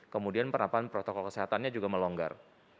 kemudian penerapan protokol kesehatannya juga melonggar